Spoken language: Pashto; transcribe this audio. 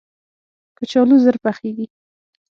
کچالو ژر پخیږي